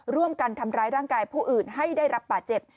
ร่วมกันทำร้ายร่างกายผู้อื่นให้ได้รับบาดเจ็บ